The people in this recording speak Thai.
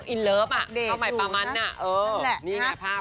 อินเลิฟอ่ะเข้าไปประมาณน่ะเออนี่ไงภาพ